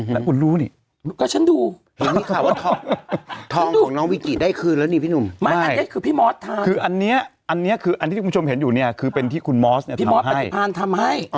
แล้วคุณรู้นี่ก็ฉันดูเห็นนี่ค่ะว่าทองของน้องวิจิได้คืนแล้วนี่พี่หนุ่มใช่คือพี่มอสทานคืออันเนี้ยอันเนี้ยคืออันที่คุณชมเห็นอยู่เนี้ยคือเป็นที่คุณมอสเนี้ยทำให้พี่มอสปฏิพันธ์ทำให้อ่า